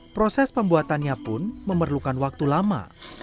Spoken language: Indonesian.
proses pembuatannya pun memerlukan waktu lama